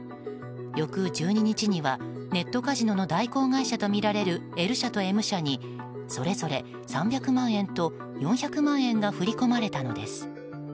翌１２日にはネットカジノの代行会社とみられるＬ社とＭ社にそれぞれ３００万円と４００万円が振り込まれたのです。